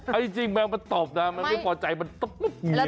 ถ้าจริงแม่งมันตบนะมันไม่พอใจมันตบอย่างนี้เลย